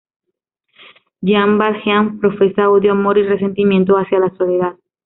Jean Valjean profesa odio-amor y resentimiento hacia la sociedad.